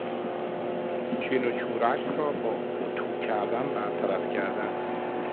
چین و چروک را با اطو کردن برطرف کردن